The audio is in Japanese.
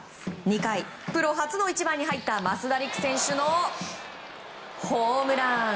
２回、プロ初の１番に入った増田陸選手のホームラン。